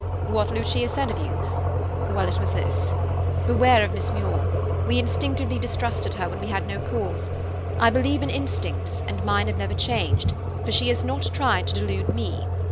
"What Lucia said of you? Well, it was this. 'Beware of Miss Muir. We instinctively distrusted her when we had no cause. I believe in instincts, and mine have never changed, for she has not tried to delude me.